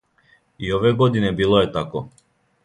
И ове године било је тако.